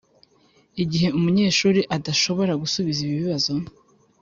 Igihe umunyeshuri adashobora gusubiza ibi bibazo